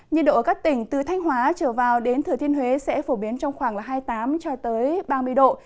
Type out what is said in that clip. nhiệt độ ở các tỉnh từ thanh hóa trở vào đến thừa thiên huế sẽ phổ biến trong khoảng hai mươi tám ba mươi độ